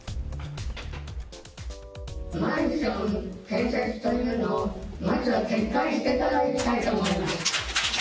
マンション建設というのを、まずは撤回していただきたいと思います。